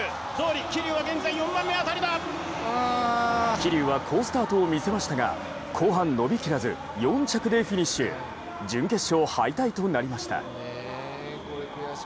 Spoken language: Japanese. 桐生は好スタートを見せましたが後半伸びきらず、４着でフィニッシュ、準決勝敗退となりました。